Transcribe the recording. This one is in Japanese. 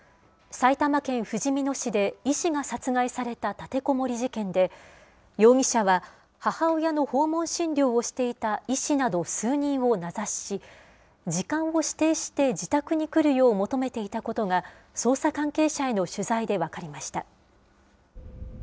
埼玉県ふじみ野市で、医師が殺害された立てこもり事件で、容疑者は母親の訪問診療をしていた医師など数人を名指しし、時間を指定して自宅に来るよう求めていたことが、捜査関係者への取材で分かりました。